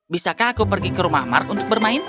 bisakah aku pergi ke rumah mark untuk bermain